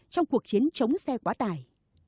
trong cuộc chiến chống xe quá tải